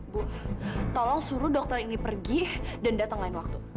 bu tolong suruh dokter ini pergi dan datang lain waktu